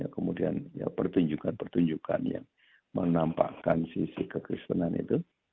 kemudian pertunjukan pertunjukan yang menampakkan sisi kekristenan itu